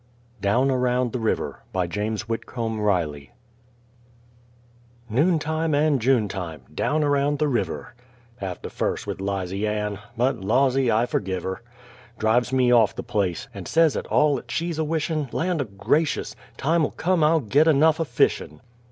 DOWN AROUND THE RIVER BY JAMES WHITCOMB RILEY Noon time and June time, down around the river! Have to furse with 'Lizey Ann but lawzy! I fergive her! Drives me off the place, and says 'at all 'at she's a wishin', Land o' gracious! time'll come I'll git enough o' fishin'!